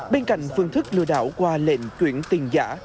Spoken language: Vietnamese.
bên cạnh phương thức lừa đảo qua lệnh chuyển tiền giả